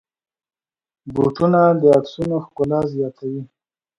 بوټونه د عکسونو ښکلا زیاتوي.